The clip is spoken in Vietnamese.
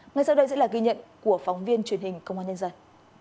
ngay sau đây sẽ là ghi nhận của phóng viên truyền hình công an nhân dân